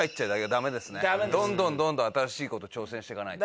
どんどんどんどん新しい事挑戦していかないと。